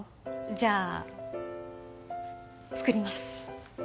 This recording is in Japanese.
じゃあ作ります